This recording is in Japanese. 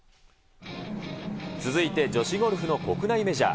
続いて女子ゴルフの国内メジャー。